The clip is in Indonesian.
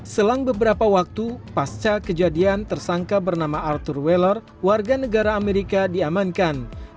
selang beberapa waktu pasca kejadian tersangka bernama arthur weller warga negara amerika diamankan